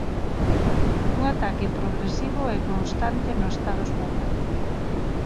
Un ataque progresivo e constante no Estado español.